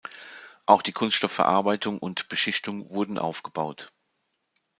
Auch die Kunststoffverarbeitung und -beschichtung wurden aufgebaut.